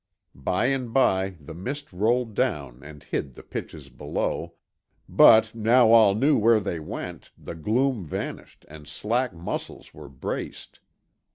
By and by the mist rolled down and hid the pitches below, but, now all knew where they went, the gloom vanished and slack muscles were braced.